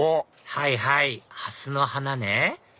はいはいハスの花ね